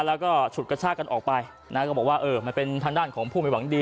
แล้วก็ฉุดกระชากันออกไปนะก็บอกว่าเออมันเป็นทางด้านของผู้ไม่หวังดี